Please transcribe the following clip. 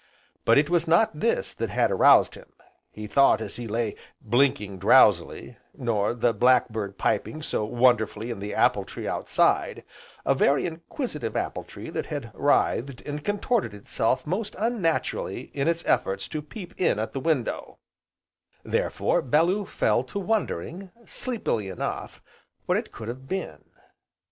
But it was not this that had roused him, he thought as he lay blinking drowsily, nor the black bird piping so wonderfully in the apple tree outside, a very inquisitive apple tree that had writhed, and contorted itself most un naturally in its efforts to peep in at the window; therefore Bellew fell to wondering, sleepily enough, what it could have been.